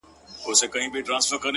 زه درته دعا سهار ماښام كوم ـ